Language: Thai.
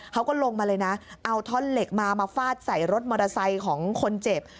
เขาก็ลงมาเลยนะเอาท่อนเหล็กมามาฟาดใส่รถมอเตอร์ไซค์ของคนเจ็บ